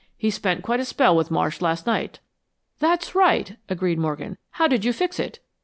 He spent quite a spell with Marsh last night." "That's right," agreed Morgan. "How did you fix it?"